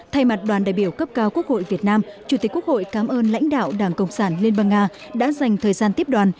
thay mặt đoàn đại biểu cấp cao quốc hội việt nam chủ tịch quốc hội cảm ơn lãnh đạo đảng cộng sản liên bang nga đã dành thời gian tiếp đoàn